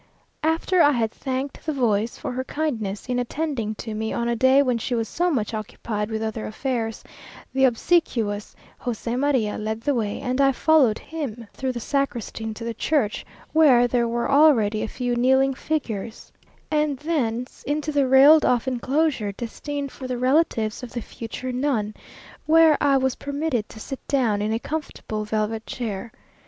After I had thanked the voice for her kindness in attending to me on a day when she was so much occupied with other affairs, the obsequious José María led the way, and I followed him through the sacristy into the church, where there were already a few kneeling figures; and thence into the railed off enclosure destined for the relatives of the future nun, where I was permitted to sit down in a comfortable velvet chair.